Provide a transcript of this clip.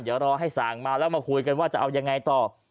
เดี๋ยวรอให้สั่งมาแล้วมาคุยกันว่าจะเอายังไงต่อ